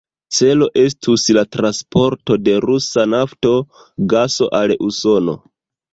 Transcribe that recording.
Celo estus la transporto de rusa nafto, gaso al Usono.